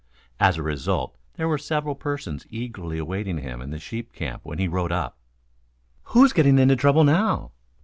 As a result there were several persons eagerly awaiting him in the sheep camp when he rode up. "Who's getting into trouble now?"